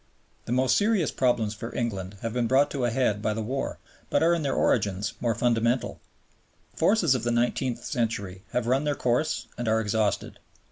The most serious problems for England have been brought to a head by the war, but are in their origins more fundamental. The forces of the nineteenth century have run their course and are exhausted.